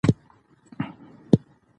تر څو چې موږ یې لرو.